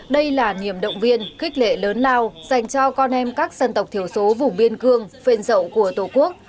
đây là niềm động viên khích lệ lớn lao dành cho con em các dân tộc thiểu số vùng biên cương phên dậu của tổ quốc